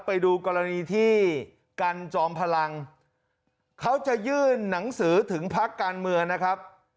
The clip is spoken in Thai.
ไปดูกรณีที่กันจอมพลังเขาจะยื่นหนังสือถึงพักการเมืองนะครับ